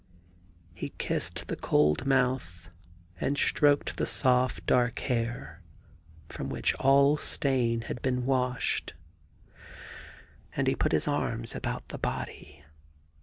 He kissed the cold mouth and stroked the soft dark hair from which all stain had been washed ; and he put his arms about the body.